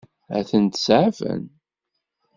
Ad tent-seɛfen?